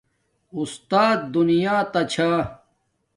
اُستات دنیا تا چھا